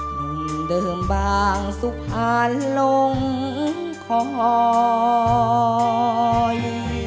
นมเดิมบางสุภาลลงคอย